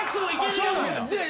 そうなんや。